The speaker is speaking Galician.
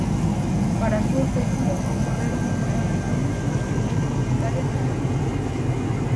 Para a súa feitura concorreron os maiores nomes dos que dispuña Italia no momento.